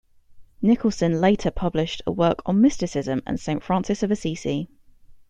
Nicholson later published a work on mysticism and Saint Francis of Assisi.